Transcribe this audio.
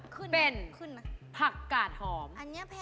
เป็นผักกาดหอม